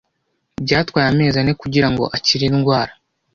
Byatwaye amezi ane kugirango akire indwara.